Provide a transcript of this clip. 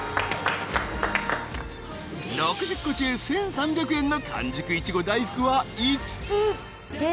［６０個中１，３００円の寒熟イチゴ大福は５つ］